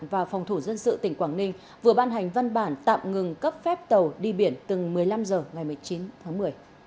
và phòng thủ dân sự tỉnh quảng ninh vừa ban hành văn bản tạm ngừng cấp phép tàu đi biển từng một mươi năm h ngày một mươi chín tháng một mươi